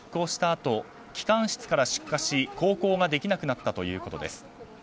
あと機関室から出火し、航行ができなくなったということです。